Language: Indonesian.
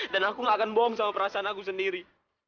dan aku gak akan bohong sama perasaan aku sendiri